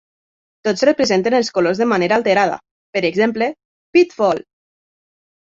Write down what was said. Tots representen els colors de manera alterada; per exemple, Pitfall!